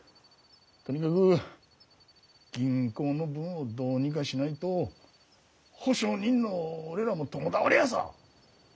とにかく銀行の分をどうにかしないと保証人の俺らも共倒れヤサ。